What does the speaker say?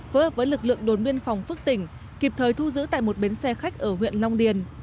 phối hợp với lực lượng đồn biên phòng phước tỉnh kịp thời thu giữ tại một bến xe khách ở huyện long điền